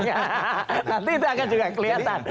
nanti itu akan juga kelihatan